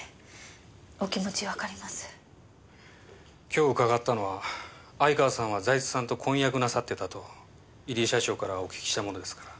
今日伺ったのは相川さんは財津さんと婚約なさっていたと入江社長からお聞きしたものですから。